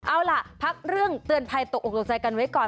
เอาล่ะพักเรื่องเตือนภัยตกออกตกใจกันไว้ก่อน